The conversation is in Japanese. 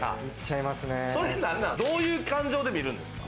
どういう感情で見るんですか？